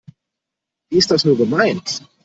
Wie ist das nur gemeint?